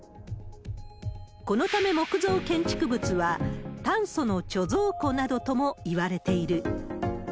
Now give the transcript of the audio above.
このため木造建築物は、炭素の貯蔵庫などともいわれている。